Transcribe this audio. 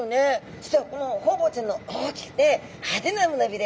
実はこのホウボウちゃんの大きくて派手な胸びれ。